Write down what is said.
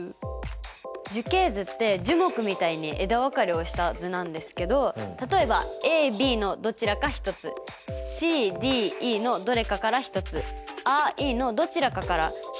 樹形図って樹木みたいに枝分かれをした図なんですけど例えばＡＢのどちらか１つｃｄｅのどれかから１つアイのどちらかから１つ選ぶ場合